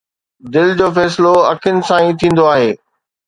دل جو فيصلو اکين سان ئي ٿيندو آهي